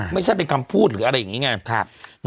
ไม่ใช่เป็นคำพูดหรืออะไรอย่างนี้ไง